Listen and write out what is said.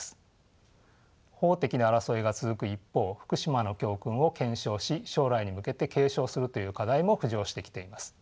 法的な争いが続く一方福島の教訓を検証し将来に向けて継承するという課題も浮上してきています。